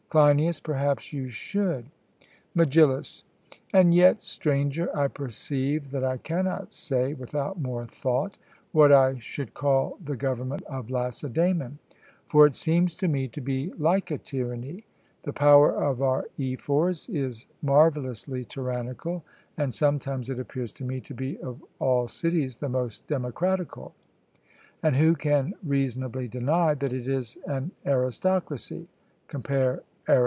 CLEINIAS: Perhaps you should. MEGILLUS: And yet, Stranger, I perceive that I cannot say, without more thought, what I should call the government of Lacedaemon, for it seems to me to be like a tyranny, the power of our Ephors is marvellously tyrannical; and sometimes it appears to me to be of all cities the most democratical; and who can reasonably deny that it is an aristocracy (compare Ar.